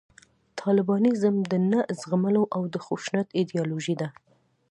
طالبانیزم د نه زغملو او د خشونت ایدیالوژي ده